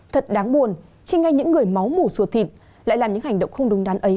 thật đáng buồn khi ngay những người máu mổ suột thịt lại làm những hành động không đúng đắn ấy